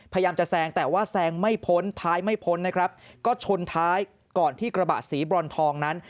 พยายามจะแซงแต่ว่าแซงไม่พ้นท้ายไม่พ้นนะครับก็ชนท้ายก่อนที่กระบะสีบรอนทองนั้น